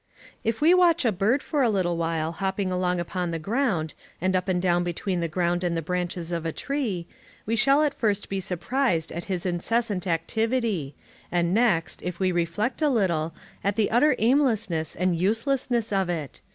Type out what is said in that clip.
If we watch a bird for a little while hopping along upon the ground, and up and down between the ground and the branches of a tree, we shall at first be surprised at his incessant activity, and next, if we reflect a little, at the utter aimlessness and uselessness of it.